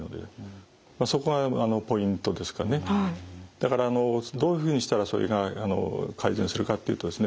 だからどういうふうにしたらそれが改善するかっていうとですね